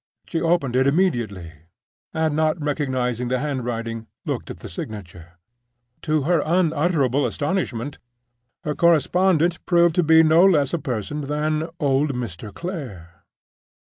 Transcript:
She opened it immediately, and, not recognizing the handwriting, looked at the signature. To her unutterable astonishment, her correspondent proved to be no less a person than—old Mr. Clare!